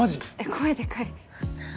声でかい何？